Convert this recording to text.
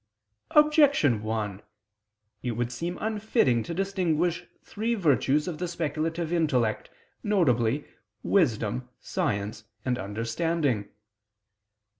Objection 1: It would seem unfitting to distinguish three virtues of the speculative intellect, viz. wisdom, science and understanding.